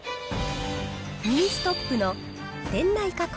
ミニストップの店内加工